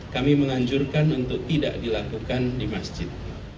kami menganjurkan untuk tidak dilakukan di masjid